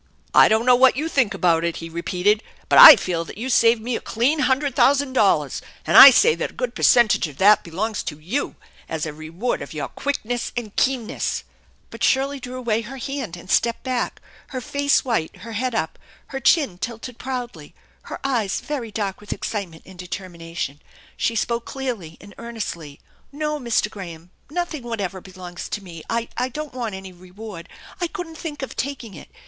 " I don't know what you think about it," he repeated, "but I feel that you saved me a clean hundred thousand dollars, and I say that a good percentage of that belongs to you as a reward of your quickness and keenness/' But Shirley drew away her hand and stepped back, her face white, her head up, her chin tilted proudly, her eyes very dark with excitement and determination. She spoke clearly and earnestly. " No, Mr. Graham, nothing whatever belongs to me. I don't want any reward. I couldn't tlrak of taking it.